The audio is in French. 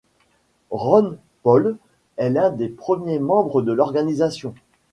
Ron Paul est l'un des premiers membres de l'organisation.